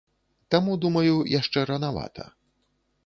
Таму, думаю, яшчэ ранавата.